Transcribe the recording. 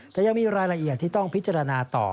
แต่ยังมีรายละเอียดที่ต้องพิจารณาต่อ